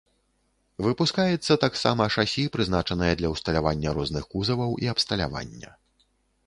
Выпускаецца таксама шасі, прызначанае для ўсталявання розных кузаваў і абсталявання.